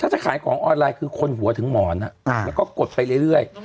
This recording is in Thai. ถ้าจะขายของออนไลน์คือคนหัวถึงหมอนแล้วก็กดไปเรื่อย